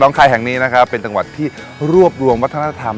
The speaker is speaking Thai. น้องไข่แห่งเป็นจังหวัดที่รวบรวมวัฒนธรรม